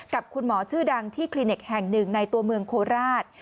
กับคุณหมอชื่อดังที่คลินิกแห่งหนึ่งในตัวเมืองโคราช